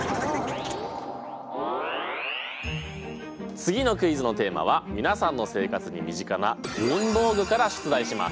次のクイズのテーマは皆さんの生活に身近な文房具から出題します。